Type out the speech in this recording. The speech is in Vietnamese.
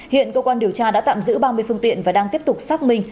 hiện cơ quan điều tra đã tạm giữ ba mươi phương tiện và đang tiếp tục xác minh